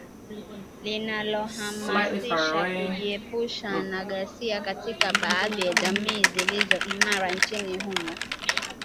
linalohamasisha kujiepusha na ghasia katika baadhi ya jamii zilizo imara nchini humo